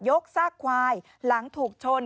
ยกซ่าควายหลังถูกโชน